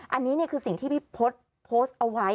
อันนี้คือสิ่งที่พี่พศโพสต์เอาไว้